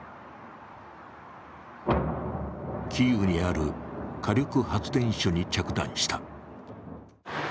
キーウにある火力発電所に着弾した。